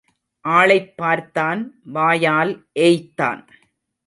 ஆளைப் பார்த்தான் வாயால் ஏய்த்தான்.